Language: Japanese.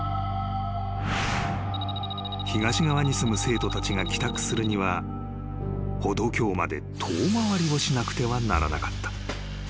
［東側に住む生徒たちが帰宅するには歩道橋まで遠回りをしなくてはならなかった］